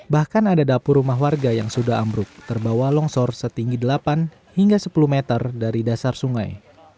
bahkan ada dapur rumah warga yang sudah ambruk terbawa longsor setinggi delapan hingga sepuluh meter dari dasar sungai